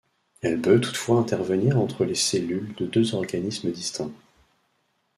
Elle peut toutefois intervenir entre les cellules de deux organismes distincts.